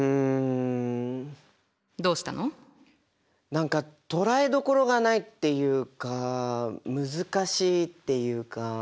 何か捕らえどころがないっていうか難しいっていうか。